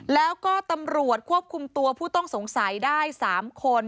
แล้วก็ตำรวจควบคุมตัวผู้ต้องสงสัยได้๓คน